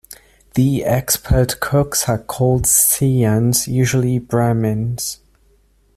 The expert cooks are called "Siyans", usually Brahmins.